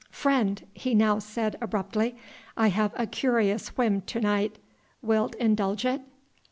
"Friend," he now said abruptly, "I have a curious whim to night. Wilt indulge it?"